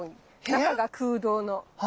中が空洞の。